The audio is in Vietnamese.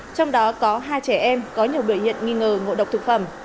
trong đó có hai trẻ em có nhiều biểu hiện nghi ngờ ngộ độc thực phẩm